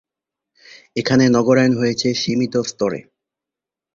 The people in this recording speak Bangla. এখানে নগরায়ণ হয়েছে সীমিত স্তরে।